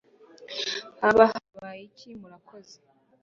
haba habaye iki murakoze